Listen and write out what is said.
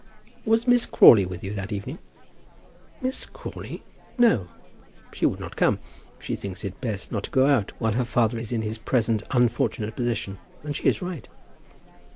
"Was Miss Crawley with you that evening?" "Miss Crawley? No; she would not come. She thinks it best not to go out while her father is in his present unfortunate position; and she is right."